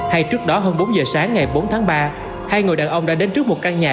hay trước đó hơn bốn giờ sáng ngày bốn tháng ba hai người đàn ông đã đến trước một căn nhà